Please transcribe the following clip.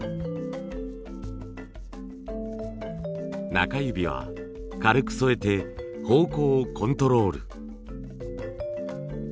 中指は軽く添えて方向をコントロール。